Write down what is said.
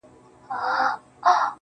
په زر چنده مرگ بهتره دی.